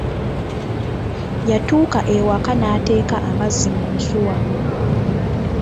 Yatuuka e waka n'ateeka amazzi mu nsuwa.